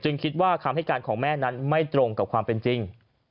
คิดว่าคำให้การของแม่นั้นไม่ตรงกับความเป็นจริง